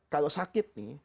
kalau sakit nih